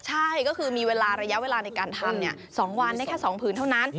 ใช่ก็คือมีระยะเวลาในการทำเนี่ย๒วันเนี่ยแค่๒ผืนเท่านั้น